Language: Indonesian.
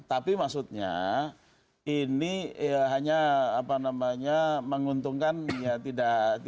tapi maksudnya ini hanya apa namanya menguntungkan ya tidak